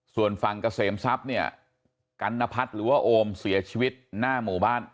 ส่วนฝั่งเกษมทรัพย์เนี่ยกัณพัฒน์หรือว่าโอมเสียชีวิตหน้าหมู่บ้าน